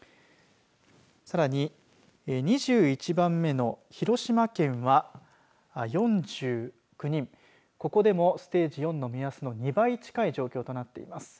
さらに２１番目の広島県は４９人ここでもステージ４の目安の２倍近い状況となっています。